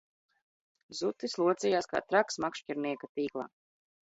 Zutis locījās kā traks makšķernieka tīklā